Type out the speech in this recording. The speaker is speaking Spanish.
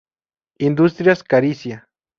Industrias Caricia.